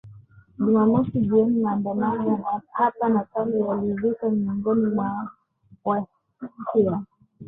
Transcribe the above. Jumamosi jioni maandamano ya hapa na pale yalizuka miongoni mwa wa shia